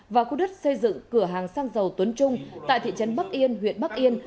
và khu đất xây dựng cửa hàng xăng dầu tuấn trung tại thị trấn bắc yên huyện bắc yên